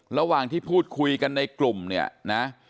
ระหว่างที่พูดคุยกันในกลุ่มเนี่ยนะ